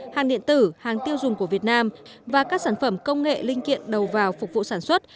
hàng điện tử hàng tiêu dùng của việt nam và các sản phẩm công nghệ linh kiện đầu vào phục vụ sản xuất